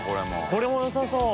これもよさそう！